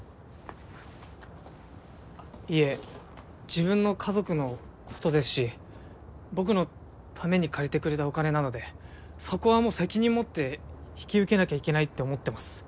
いえ自分の家族のことですし僕のために借りてくれたお金なのでそこはもう責任持って引き受けなきゃいけないって思ってます。